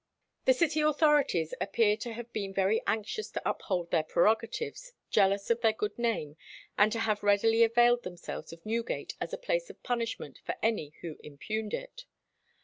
The city authorities appear to have been very anxious to uphold their prerogatives, jealous of their good name, and to have readily availed themselves of Newgate as a place of punishment for any who impugned it.